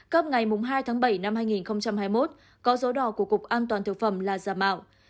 cấp ngày hai tháng bảy năm hai nghìn hai mươi một có dấu đỏ của cục an toàn thực phẩm là giả mạo